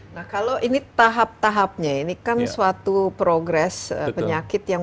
nah kalau ini tahap tahapnya ini kan suatu progres penyakit yang